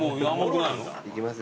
いきます